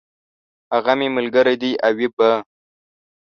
هغه مي ملګری دی او وي به !